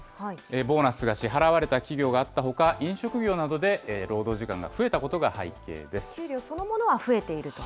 ボーナスが支払われた企業があったほか、飲食業などで労働時間が給料そのものは増えていると。